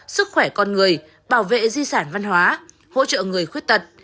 sức khỏe con người bảo vệ di sản văn hóa hỗ trợ người khuyết tật